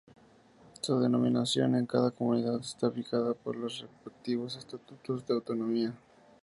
Su denominación en cada comunidad está fijada por los respectivos estatutos de autonomía.